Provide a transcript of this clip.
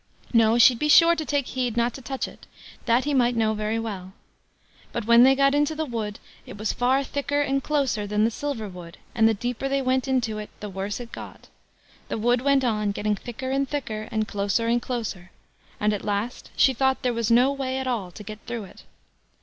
No; she'd be sure to take heed not to touch it; that he might know very well. But when they got into the wood, it was far thicker and closer than the silver wood, and the deeper they went into it, the worse it got. The wood went on, getting thicker and thicker, and closer and closer; and at last she thought there was no way at all to get through it.